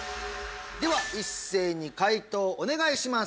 では一斉に解答お願いします